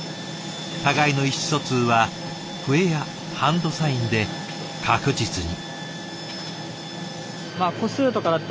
互いの意思疎通は笛やハンドサインで確実に。